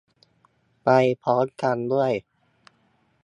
ไปพร้อมกันด้วย